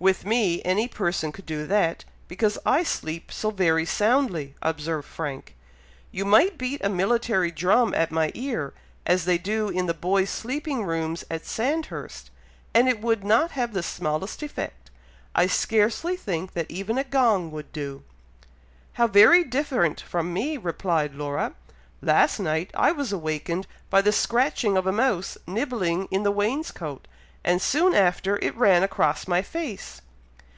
"With me, any person could do that, because I sleep so very soundly," observed Frank. "You might beat a military drum at my ear, as they do in the boy's sleeping rooms at Sandhurst, and it would not have the smallest effect. I scarcely think that even a gong would do!" "How very different from me," replied Laura. "Last night I was awakened by the scratching of a mouse nibbling in the wainscoat, and soon after it ran across my face."